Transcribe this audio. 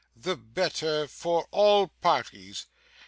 'The better for all parties.